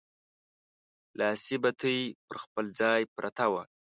لاسي بتۍ پر خپل ځای پرته وه.